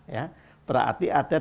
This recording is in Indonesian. ya berarti ada